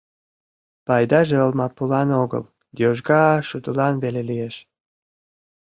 Пайдаже олмапулан огыл, йожга шудылан веле лиеш.